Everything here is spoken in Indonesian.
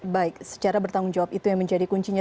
baik secara bertanggung jawab itu yang menjadi kuncinya